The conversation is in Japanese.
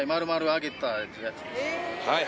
はい